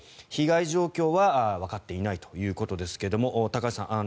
被害状況はわかっていないということですが高橋さん